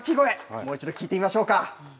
もう一度、聞いてみましょうか。